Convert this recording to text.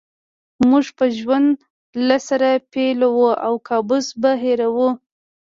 موږ به ژوند له سره پیلوو او کابوس به هېروو